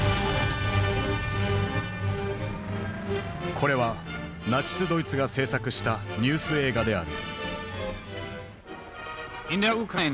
これはナチスドイツが制作したニュース映画である。